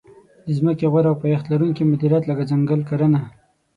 د ځمکې غوره او پایښت لرونکې مدیریت لکه ځنګل کرنه.